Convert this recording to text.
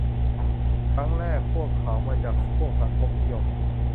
ครั้งแรก พวกเขามาจับพวกสังคมนิยม